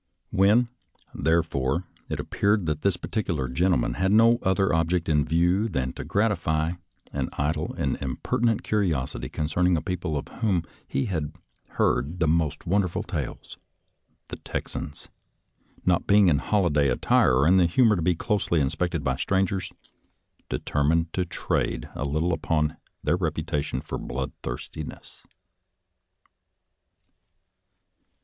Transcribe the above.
When, therefore, it appeared that this particular gentleman had no other object in view than to gratify an idle and impertinent curios ity concerning a people of whom he had heard the most wonderful tales, the Texans, not being in holiday attire or in the humor to be closely inspected by strangers, determined to trade a little upon their reputation for bloodthirstiness.